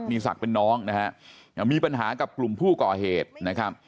มีศักดิ์เป็นน้องนะฮะมีปัญหากับกลุ่มผู้ก่อเหตุนะครับ